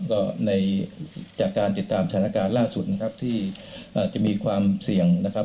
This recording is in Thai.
ก็ในจากการติดตามสถานการณ์ล่าสุดนะครับที่จะมีความเสี่ยงนะครับ